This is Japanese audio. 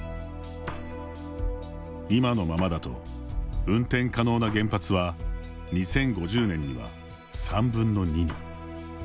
今のままだと運転可能な原発は２０５０年には３分の２に。